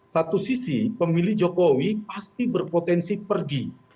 satu sisi pemilih jokowi pasti berpotensi pergi